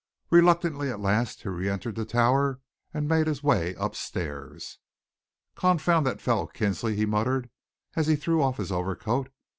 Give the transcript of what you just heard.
Reluctantly at last he re entered the Tower and made his way up stairs. "Confound that fellow Kinsley!" he muttered, as he threw off his overcoat.